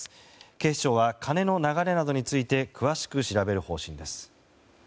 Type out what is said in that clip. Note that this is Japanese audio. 警視庁は金の流れなどについて詳しく調べる方針です。